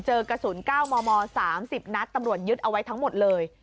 เจอกระสุน๙มม๓๐นัดตำรวจยึดเอาไว้ทั้งหมดเลย